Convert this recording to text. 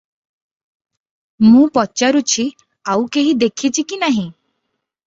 ମୁଁ ପଚାରୁଛି ଆଉ କେହି ଦେଖିଛି କି ନାହିଁ?